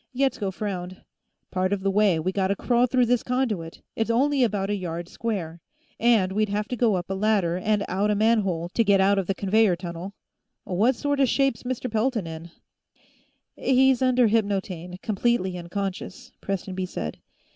Yetsko frowned. "Part of the way, we gotta crawl through this conduit; it's only about a yard square. And we'd have to go up a ladder, and out a manhole, to get out of the conveyor tunnel. What sorta shape's Mr. Pelton in?" "He's under hypnotaine, completely unconscious," Prestonby said.